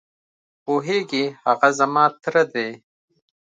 پوهېږې؟ هغه زما تره دی.